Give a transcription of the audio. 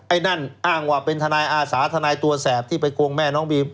ไอ้นั่นอ้างว่าเป็นทนายอาสาทนายตัวแสบที่ไปโกงแม่น้องบีม